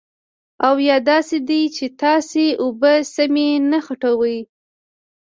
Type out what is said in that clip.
او یا داسې دي چې تاسې اوبه سمې نه خوټوئ.